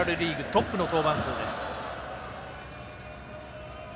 トップの登板数です。